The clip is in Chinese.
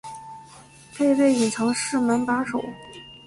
配备隐藏式门把手